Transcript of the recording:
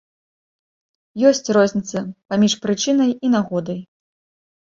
Ёсць розніца паміж прычынай і нагодай.